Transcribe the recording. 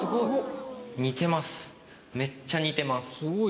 めっちゃ似てます。